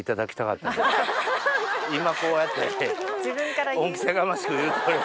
今こうやって恩着せがましく言って。